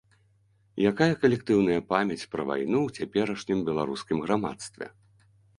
Якая калектыўная памяць пра вайну ў цяперашнім беларускім грамадстве?